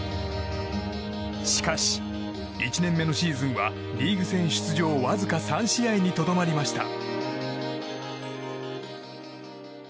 しかし、１年目のシーズンはリーグ戦出場わずか３試合にとどまりました。